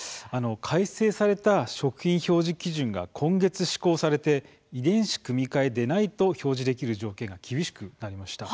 改正された食品表示基準が今月施行されて「遺伝子組み換えでない」と表示できる条件が厳しくなりました。